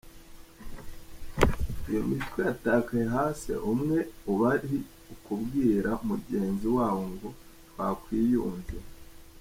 Iyo mitwe yatakaye hasi, umwe uba uri kubwira mugenzi wawo ngo ‘Twakwiyunze?’.